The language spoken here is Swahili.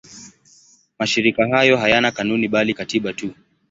Mashirika hayo hayana kanuni bali katiba tu.